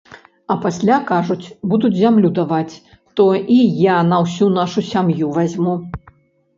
А пасля, кажуць, будуць зямлю даваць, то і я на ўсю нашу сям'ю вазьму.